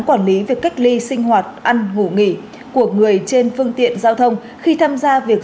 quản lý việc cách ly sinh hoạt ăn ngủ nghỉ của người trên phương tiện giao thông khi tham gia việc